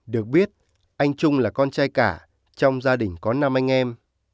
được biết anh trung là con trai cả trong gia đình có năm anh em